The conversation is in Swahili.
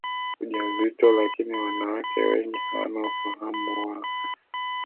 ujauzito lakini wanawake wengi hawana ufahamu wa